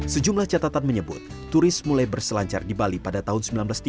sejumlah catatan menyebut turis mulai berselancar di bali pada tahun seribu sembilan ratus tiga puluh